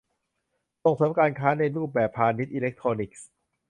ส่งเสริมการค้าในรูปแบบพาณิชย์อิเล็กทรอนิกส์